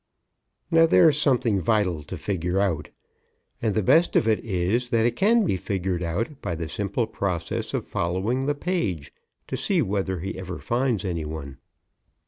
Now, there's something vital to figure out. And the best of it is that it can be figured out by the simple process of following the page to see whether he ever finds any one.